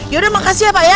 yaudah makasih ya pak ya